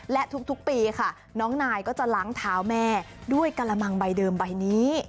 และทุกปีค่ะน้องนายก็จะล้างเท้าแม่ด้วยกระมังใบเดิมใบนี้